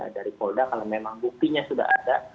dari polda kalau memang buktinya sudah ada